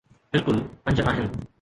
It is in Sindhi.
بلڪل پنج آهن